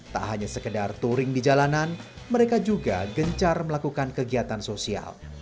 tak hanya sekedar touring di jalanan mereka juga gencar melakukan kegiatan sosial